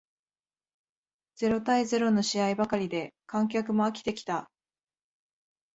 ゼロ対ゼロの試合ばかりで観客も飽きてきた